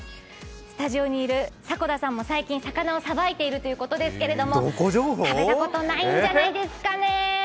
スタジオにいる迫田さんも最近、魚をさばいているということですけど食べたことないんじゃないですかねぇ。